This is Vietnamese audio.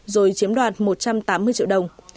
rồi chiếm đoạt một trăm tám mươi triệu đồng